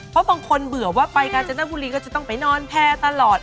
เพราะบางคนเบื่อว่าไปกาญจนบุรีก็จะต้องไปนอนแพร่ตลอด